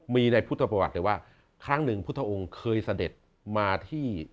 มีในพุทธประวัติเลยว่าครั้งหนึ่งพุทธองค์เคยเสด็จมาที่